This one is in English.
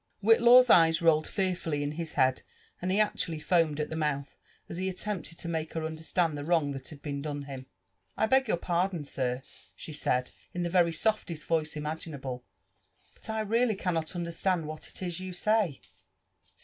WMtlaw'a eyes rolled fearfully in his head, and he actually feaoMd at 1|m mi^oth, as he attempted to i|iake her iiaderstand the wveng that had been done him. I beg your pardon, air,'' she said in the ^ery softest voiee^ imagin ftUe, *f but I really cannot understand what it is you say.